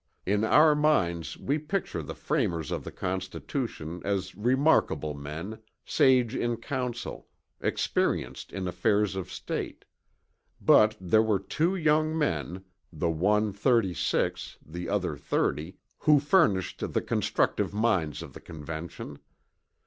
In our minds we picture the framers of the Constitution as remarkable men, sage in council, experienced in affairs of state. But there were two young men, the one 36, the other 30, who furnished the constructive minds of the Convention.